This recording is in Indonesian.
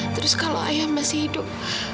terus kalau ayah masih hidup